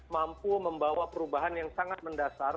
mampu membawa perubahan yang sangat mendasar